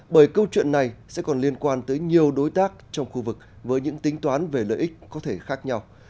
bởi câu chuyện này sẽ còn liên quan tới nhiều đối tác trong khu vực với những tính toán về lợi ích có thể khác nhau